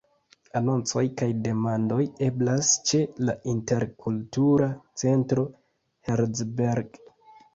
Anoncoj kaj demandoj eblas ĉe la Interkultura Centro Herzberg.